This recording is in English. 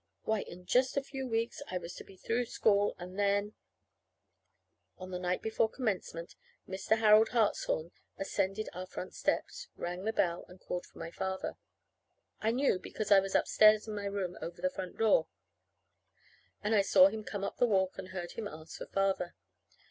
Why, in just a few weeks I was to be through school. And then On the night before commencement Mr. Harold Hartshorn ascended our front steps, rang the bell, and called for my father. I knew because I was upstairs in my room over the front door; and I saw him come up the walk and heard him ask for Father.